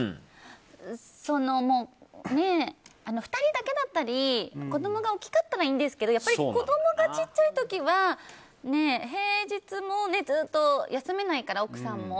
２人だけだったり子供が大きかったらいいんですけどやっぱり子供がちっちゃい時は平日もずっと休みないから、奥さんも。